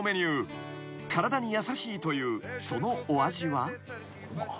［体に優しいというそのお味は］